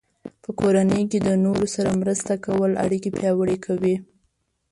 په کورنۍ کې د نورو سره مرسته کول اړیکې پیاوړې کوي.